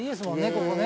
ここね。